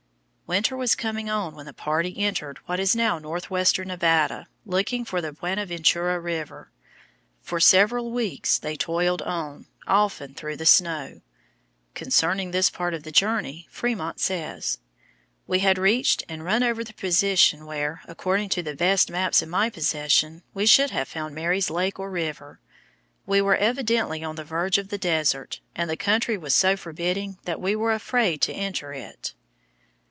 Winter was coming on when the party entered what is now northwestern Nevada, looking for the Buenaventura River. For several weeks they toiled on, often through the snow. Concerning this part of the journey Frémont says: "We had reached and run over the position where, according to the best maps in my possession, we should have found Mary's lake or river. We were evidently on the verge of the desert, and the country was so forbidding that we were afraid to enter it."